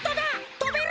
とべる！